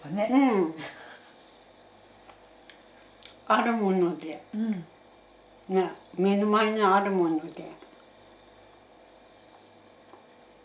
あるもので目の前にあるもので。